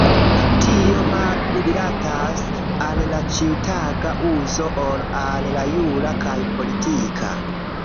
Tio malpli rilatas al la ĉiutaga uzo ol al la jura kaj politika.